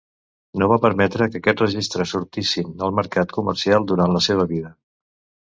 No va permetre que aquests registres sortissin al mercat comercial durant la seva vida.